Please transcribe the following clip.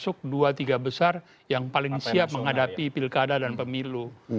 baru itu selalu masuk dua tiga besar yang paling siap menghadapi pilkada dan pemilu